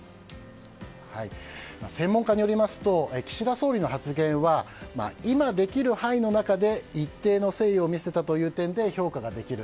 専門家によりますと岸田総理の発言は今できる範囲の中で一定の誠意を見せた点で評価ができる。